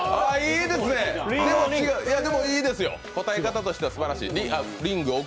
いいですね、答え方としてはすばらしい。